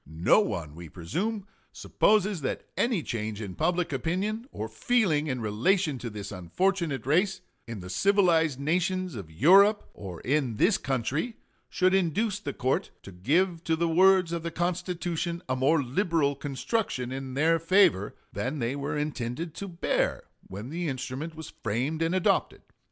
No one, we presume, supposes that any change in public opinion or feeling in relation to this unfortunate race, in the civilized nations of Europe or in this country, should induce the court to give to the words of the Constitution a more liberal construction in their favor than they were intended to bear when the instrument was framed and adopted....